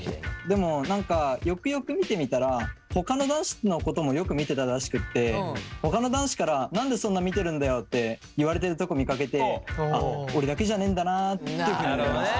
でも何かよくよく見てみたらほかの男子のこともよく見てたらしくってほかの男子から「なんでそんな見てるんだよ」って言われてるとこ見かけてあっ俺だけじゃねえんだなっていうふうに思いました。